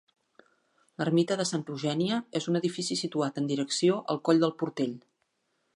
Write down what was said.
L'ermita de Santa Eugènia és un edifici situat en direcció al coll del Portell.